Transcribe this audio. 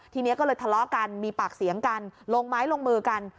ทีนี้ก็เลยทะเลาะกันมีปากเสียงกันลงไม้ลงมือกัน